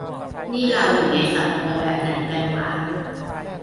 นี่เราอยู่ในสังคมแบบไหนกันวะ